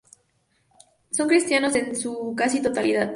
Son cristianos en su casi totalidad.